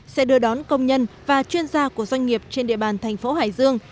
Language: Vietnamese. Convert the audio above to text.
sẽ đưa đón công nhân và chuyên gia của doanh nghiệp trên địa bàn thành phố hải dương